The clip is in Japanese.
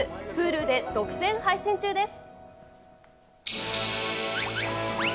Ｈｕｌｕで独占配信中です。